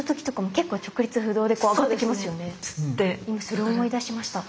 それを思い出しました。